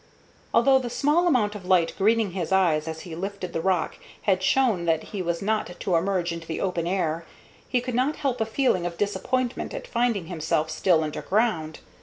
Although the small amount of light greeting his eyes as he lifted the rock had shown him that he was not to emerge into the open air, he could not help a feeling of disappointment at finding himself still underground.